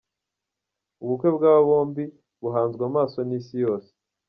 Ubukwe bw'aba bombi buhanzwe amaso n'isi yose.